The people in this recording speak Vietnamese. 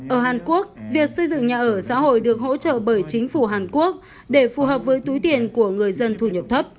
ở hàn quốc việc xây dựng nhà ở xã hội được hỗ trợ bởi chính phủ hàn quốc để phù hợp với túi tiền của người dân thu nhập thấp